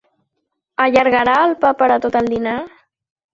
Allargarà el pa per a tot el dinar?